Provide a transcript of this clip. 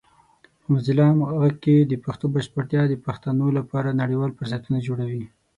په موزیلا عام غږ کې د پښتو بشپړتیا د پښتنو لپاره نړیوال فرصتونه جوړوي.